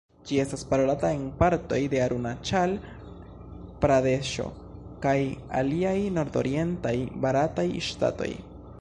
Ĝi estas parolata en partoj de Arunaĉal-Pradeŝo kaj aliaj nordorientaj barataj ŝtatoj.